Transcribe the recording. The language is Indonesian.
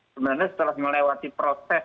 sebenarnya setelah melewati proses